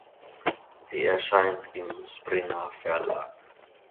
Sie erscheint im Springer-Verlag.